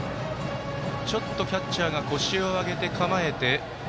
ちょっとキャッチャーが腰を上げて構えて。